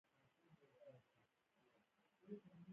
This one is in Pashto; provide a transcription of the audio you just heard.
لومړی ملک وخندل، بيا ناستو کاريګرو خندا ورسره بدرګه کړه.